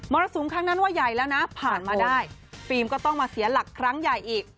รสุมครั้งนั้นว่าใหญ่แล้วนะผ่านมาได้ฟิล์มก็ต้องมาเสียหลักครั้งใหญ่อีก